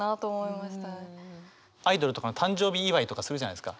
アイドルとかの誕生日祝いとかするじゃないですか。